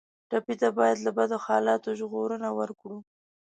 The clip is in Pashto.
ټپي ته باید له بدو حالاتو ژغورنه ورکړو.